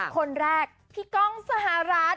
คนแรกพี่ก้องสหรัฐ